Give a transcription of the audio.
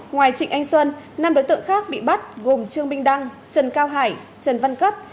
ngoài trịnh anh xuân năm đối tượng khác bị bắt gồm trương minh đăng trần cao hải trần văn cấp